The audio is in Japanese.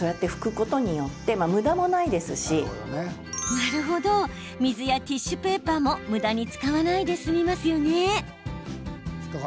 なるほど、水やティッシュペーパーもむだに使わないで済みますね。